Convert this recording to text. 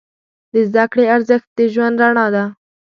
د زده کړې ارزښت د ژوند رڼا ده.